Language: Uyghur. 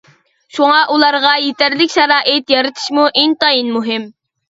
شۇڭا ئۇلارغا يېتەرلىك شارائىت يارىتىشمۇ ئىنتايىن مۇھىم.